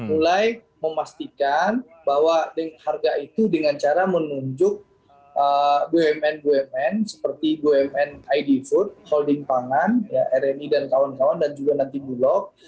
mulai memastikan bahwa harga itu dengan cara menunjuk bumn bumn seperti bumn id food holding pangan rni dan kawan kawan dan juga nanti bulog